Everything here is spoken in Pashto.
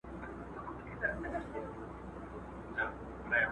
مونږ باید په علمي څېړنو کې نوښت وکړو.